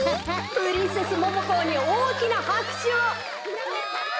プリンセスモモコーにおおきなはくしゅを。